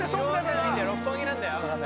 六本木なんだよ